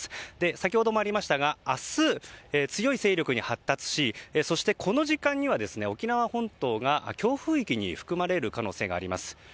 先ほどもありましたが明日、強い勢力に発達しそしてこの時間には沖縄本島が強風域に含まれる可能性があります。